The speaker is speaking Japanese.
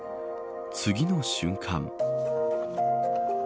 次の瞬間。